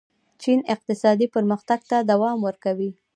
چین اقتصادي پرمختګ ته دوام ورکوي.